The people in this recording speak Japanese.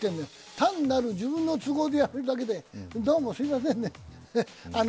単なる自分の都合で辞めるだけで、どうもすみませんね。